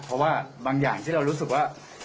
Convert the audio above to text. เพราะว่าบางอย่างที่เรารู้สึกว่า